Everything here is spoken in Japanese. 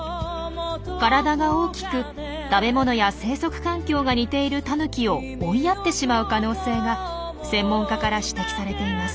体が大きく食べ物や生息環境が似ているタヌキを追いやってしまう可能性が専門家から指摘されています。